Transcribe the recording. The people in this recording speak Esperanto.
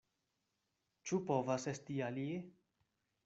Ĉu povas esti alie?